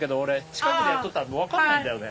近くでやっとったらもう分かんないんだよね。